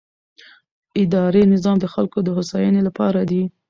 اداري نظام د خلکو د هوساینې لپاره دی.